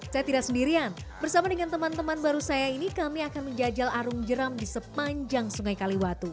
saya tidak sendirian bersama dengan teman teman baru saya ini kami akan menjajal arung jeram di sepanjang sungai kaliwatu